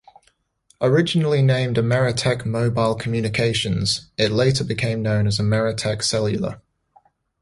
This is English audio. Originally named Ameritech Mobile Communications, it later became known as Ameritech Cellular.